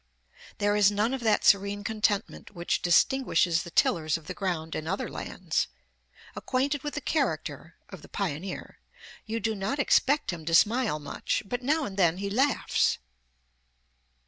There is none of that serene contentment which distinguishes the tillers of the ground in other lands.... Acquainted with the character [of the pioneer], you do not expect him to smile much, but now and then he laughs."